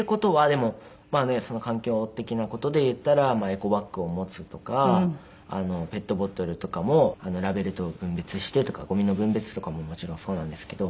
でも環境的な事で言ったらエコバッグを持つとかペットボトルとかもラベルと分別してとかゴミの分別とかももちろんそうなんですけど。